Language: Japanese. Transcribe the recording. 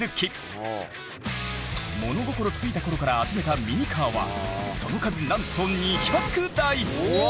物心付いた頃から集めたミニカーはその数なんとわお！